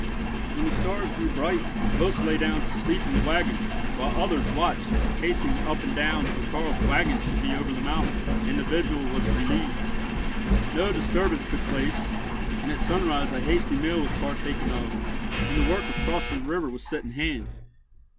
When the stars grew bright, most lay down to sleep in the waggons, while others watched, pacing up and down till Karl's waggon should be over the mountain, and the vigil was relieved. No disturbance took place, and at sunrise a hasty meal was partaken of, and the work of crossing the river was set in hand.